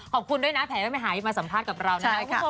ขอบคุณด้วยนะแผลแม่หายมาสัมภาษณ์กับเราได้ค่ะ